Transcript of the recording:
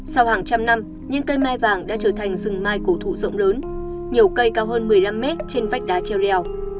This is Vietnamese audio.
sau hàng trăm năm những cây mai vàng đã trở thành rừng mai cổ thụ rộng lớn nhiều cây cao hơn một mươi năm mét trên vách đá treo rèo